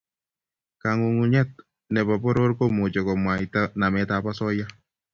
Kangungunyet nebo poror komuchi komwaita nametab osoya